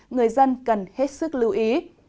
người dân cần hết sức lưu ý